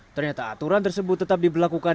ternyata aturan tersebut tetap diberlakukan